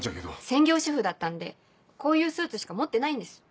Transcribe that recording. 専業主婦だったんでこういうスーツしか持ってないんです。